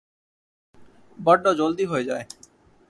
বড্ডো জলদি হয়ে যায়।